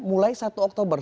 mulai satu oktober